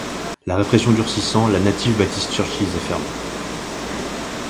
La répression durcissant, la Native Baptist Churches est fermée.